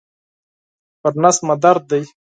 پر نس مي درد دی.